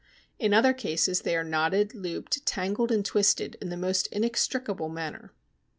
In other cases they are knotted, looped, tangled, and twisted in the most inextricable manner.